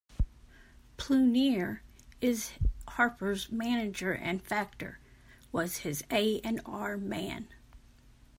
Plunier is Harper's manager and Factor was his A and R man.